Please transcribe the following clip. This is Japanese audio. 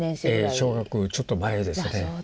小学校よりちょっと前ですね。